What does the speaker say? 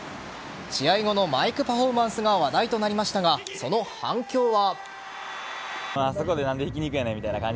試合後のマイクパフォーマンスが話題となりましたがその反響は。